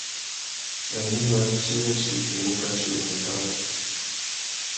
Nà gnïma, tsi râ issutu i mù kachi u mù bàrrâ.